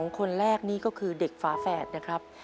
คนแรกนี่ก็คือเด็กฝาแฝดนะครับ